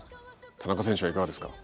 田中選手はいかがですか？